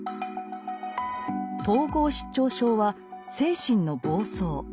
統合失調症は精神の暴走。